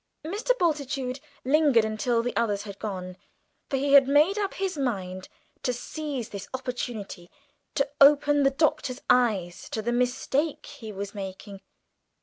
Mr. Bultitude lingered until the others had gone, for he had made up his mind to seize this opportunity to open the Doctor's eyes to the mistake he was making.